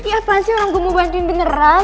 iya apaan sih orang gue mau bantuin beneran